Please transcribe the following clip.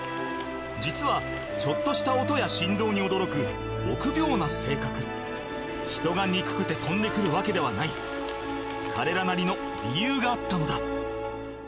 実はちょっとした臆病な性格人が憎くて跳んで来るわけではない彼らなりの理由があったのだ